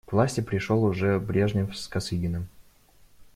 К власти пришел уже Брежнев с Косыгиным.